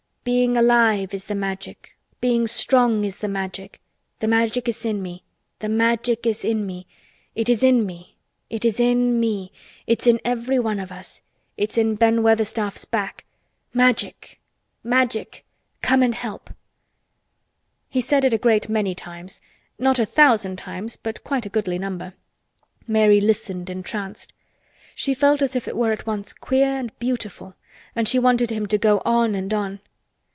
Being alive is the Magic—being strong is the Magic. The Magic is in me—the Magic is in me. It is in me—it is in me. It's in everyone of us. It's in Ben Weatherstaff's back. Magic! Magic! Come and help!" He said it a great many times—not a thousand times but quite a goodly number. Mary listened entranced. She felt as if it were at once queer and beautiful and she wanted him to go on and on.